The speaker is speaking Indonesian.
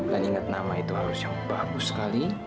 dan ingat nama itu harus yang bagus sekali